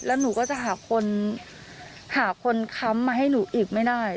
แล้วหนูก็จะหาคนหาคนค้ำมาให้หนูอีกไม่ได้